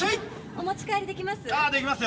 お持ち帰りできます？